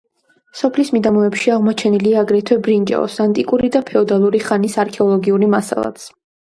სოფლის მიდამოებში აღმოჩენილია აგრეთვე ბრინჯაოს, ანტიკური და ფეოდალური ხანის არქეოლოგიური მასალაც.